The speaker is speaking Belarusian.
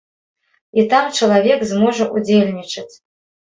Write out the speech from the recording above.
І там чалавек зможа ўдзельнічаць.